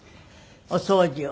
お掃除を。